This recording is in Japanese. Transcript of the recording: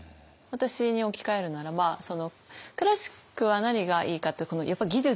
私に置き換えるならばクラシックは何がいいかってやっぱり技術。